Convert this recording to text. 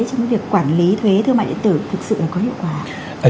trong cái việc quản lý thuế thương mại điện tử thực sự có hiệu quả